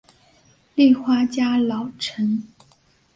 立花家老臣。